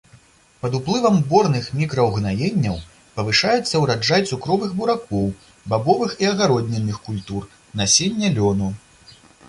Пад уплывам борных мікраўгнаенняў павышаецца ўраджай цукровых буракоў, бабовых і агароднінных культур, насення лёну.